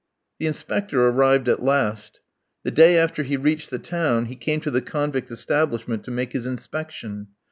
The Inspector arrived at last. The day after he reached the town, he came to the convict establishment to make his inspection.